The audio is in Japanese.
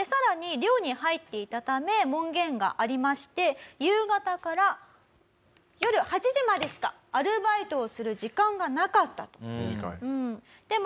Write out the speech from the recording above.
寮に入っていたため門限がありまして夕方から夜８時までしかアルバイトをする時間がなかったと。